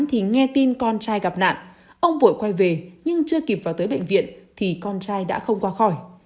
thì nghe tin con trai gặp nạn ông vội quay về nhưng chưa kịp vào tới bệnh viện thì con trai đã không qua khỏi